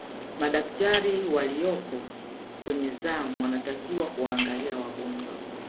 madakitari waliyopo kwenye zamu wanatakiwa kuwaangalia wagonjwa